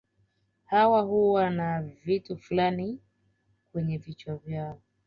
Hawa huwa na vitu fulani kwenye vichwa vyao